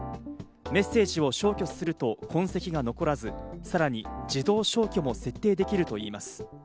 メッセージを消去すると痕跡が残らず、さらに自動消去も設定できるといいます。